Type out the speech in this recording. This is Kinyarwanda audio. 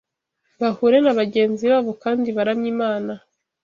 bahure na bagenzi babo kandi baramye Imana,